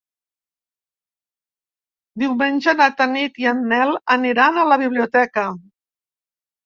Diumenge na Tanit i en Nel aniran a la biblioteca.